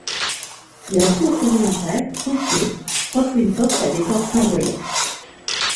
La tour orientale, tronquée, offre une porte à décor flamboyant.